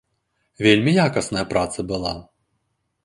Вельмі якасная праца была.